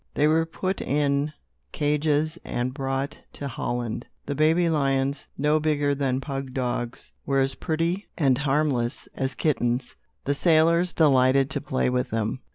They were put in cages and brought to Holland. The baby lions, no bigger than pug dogs, were as pretty and harmless as kittens. The sailors delighted to play with them.